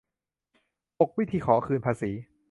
หก วิธี ขอคืนภาษี